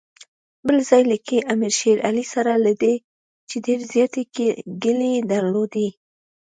بل ځای لیکي امیر شېر علي سره له دې چې ډېرې زیاتې ګیلې درلودې.